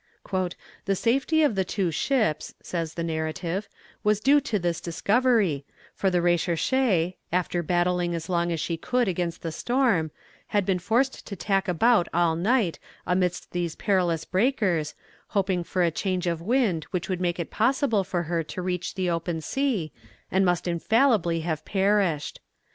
"The safety of the two ships," says the narrative, "was due to this discovery, for the Recherche, after battling as long as she could against the storm, had been forced to tack about all night amidst these perilous breakers, hoping for a change of wind which would make it possible for her to reach the open sea, and must infallibly have perished.